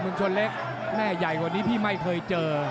ชนเล็กแม่ใหญ่กว่านี้พี่ไม่เคยเจอ